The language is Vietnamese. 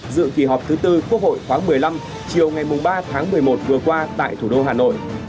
dự kỳ họp thứ tư quốc hội khoáng một mươi năm chiều ngày ba tháng một mươi một vừa qua tại thủ đô hà nội